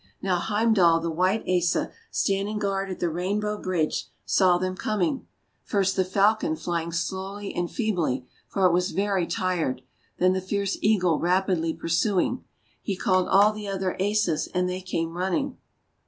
Now Heimdal the White Asa, standing guard at the Rainbow Bridge, saw them coming, — first the Falcon flying slowly and feebly, for it was very tired, then the fierce Eagle rapidly pursuing. He called all the other Asas, and they came running.